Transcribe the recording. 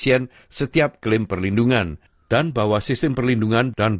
saya lupa bagaimana untuk mengatasi bahasa saya dengan benar